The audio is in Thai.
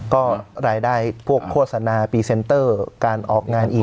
ก็รายได้พวกโฆษณาพรีเซนเตอร์การออกงานอี